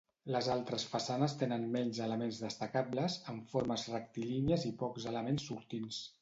Les altres façanes tenen menys elements destacables, amb formes rectilínies i pocs elements sortints.